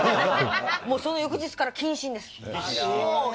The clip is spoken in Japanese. もうその翌日から謹慎です。